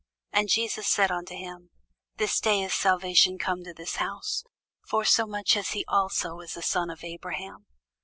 And Jesus said unto him, This day is salvation come to this house, forsomuch as he also is a son of Abraham.